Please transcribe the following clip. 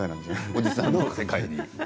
おじさんの世界に。